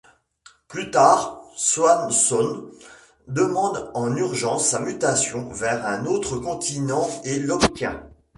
Plus tard, Swanson demande en urgence sa mutation vers un autre continent et l'obtient.